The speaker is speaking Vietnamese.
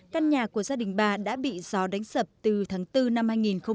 căn nhà của gia đình bà đã bị gió đánh sập từ tháng bốn năm hai nghìn một mươi bảy